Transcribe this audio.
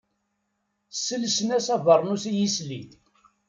Sselsen-as abernus i yisli.